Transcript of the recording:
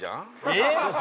えっ？